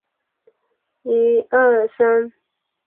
威克岛邮政和电话编制上属于夏威夷。